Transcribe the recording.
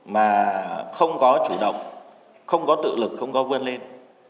mà không có chủ động không có tự lực không có vươn lên